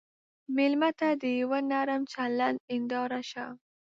مېلمه ته د یوه نرم چلند هنداره شه.